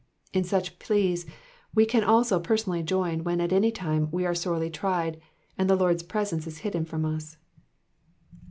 In such pleas we also can personally join when at any time we are sorely tried, and the Lord's presence is hidden from us.